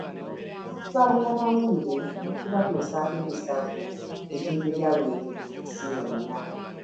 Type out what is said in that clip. Baakuba bannamawulire n'okubatuusaako ebisago ekintu ekyawuniikiriza ensi yonna.